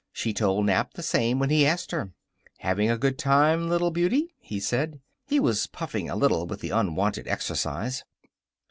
She told Nap the same when he asked her. "Having a good time, little beauty?" he said. He was puffing a little with the unwonted exercise.